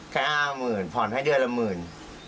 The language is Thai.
แค่ห้าหมื่นผ่อนให้เดือนละหมื่น